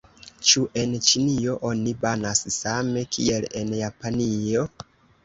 Ĉu en Ĉinio oni banas same kiel en Japanio?